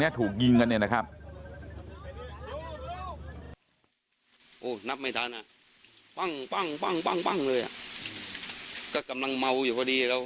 นี้ถูกยิงกันเลยนะครับ